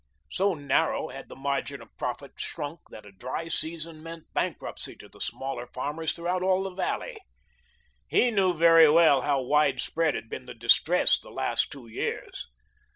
So narrow had the margin of profit shrunk that a dry season meant bankruptcy to the smaller farmers throughout all the valley. He knew very well how widespread had been the distress the last two years.